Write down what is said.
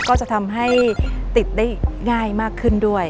ก็จะทำให้ติดได้ง่ายมากขึ้นด้วย